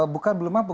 bukan belum mampu